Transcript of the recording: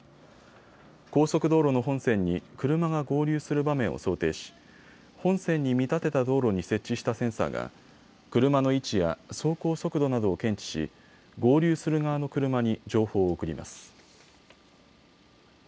高速道路の本線に車が合流する場面を想定し、本線に見立てた道路に設置したセンサーが車の位置や走行速度などを検知し合流する側の車に情報を送ります。